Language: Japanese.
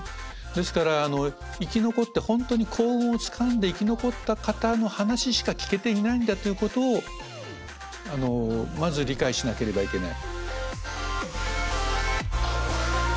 ですから生き残って本当に幸運をつかんで生き残った方の話しか聞けていないんだということをまず理解しなければいけない。